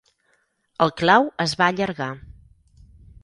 El clau es va allargar.